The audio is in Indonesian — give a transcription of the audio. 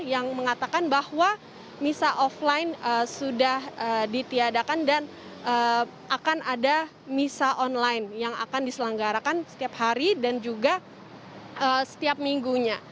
yang mengatakan bahwa misa offline sudah ditiadakan dan akan ada misa online yang akan diselenggarakan setiap hari dan juga setiap minggunya